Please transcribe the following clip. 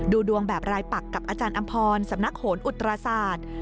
ดูดวงแบบรายปักกับอาจารย์อำพรสำนักโหนอุตราศาสตร์